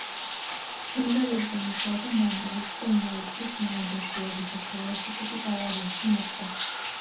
სიმღერებზე მუშაობა მან დაიწყო იმავე წლის ნოემბერში, როდესაც ველოსიპედით ავარიაში მოხვდა.